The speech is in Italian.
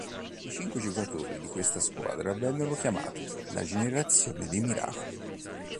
I cinque giocatori di questa squadra vennero chiamati la "Generazione dei Miracoli".